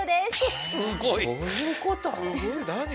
すごい。何？